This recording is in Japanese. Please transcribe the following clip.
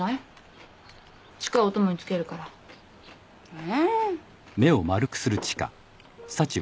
え。